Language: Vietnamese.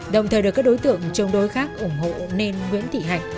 đồng thời được các đối tượng chống đối khác ủng hộ nên nguyễn thị hạnh